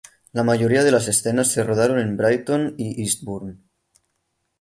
La mayoría de las escenas se rodaron en Brighton y Eastbourne.